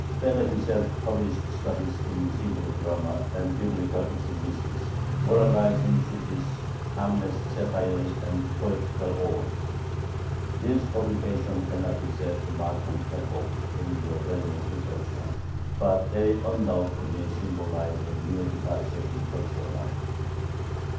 Feder himself published studies in Hebrew grammar and Biblical exegesis, moralizing treatises, harmless satires, and poetical odes. These publications cannot be said to mark an epoch in the realm of literature, but they undoubtedly symbolize a new departure in cultural life.